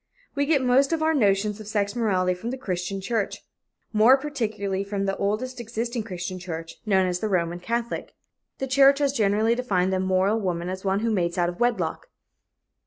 We get most of our notions of sex morality from the Christian church more particularly from the oldest existing Christian church, known as the Roman Catholic. The church has generally defined the "immoral woman" as one who mates out of wedlock.